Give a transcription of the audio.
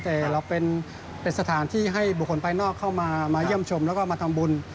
แต่เราเป็นสถานที่ให้บุคคลภายนอกเข้ามามาเยี่ยมชมแล้วก็มาทำบุญ